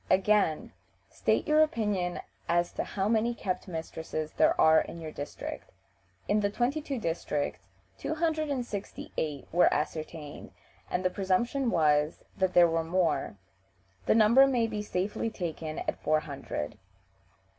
Again: "State your opinion as to how many kept mistresses there are in your district?" In the twenty two districts two hundred and sixty eight (268) were ascertained, and the presumption was that there were more. The number may be safely taken at four hundred.